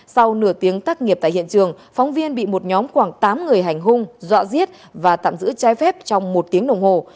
sau nửa tiếng tác nghiệp tại hiện trường phóng viên bị một nhóm khoảng tám người hành hung dọa giết và tạm giữ trái phép trong một tiếng đồng hồ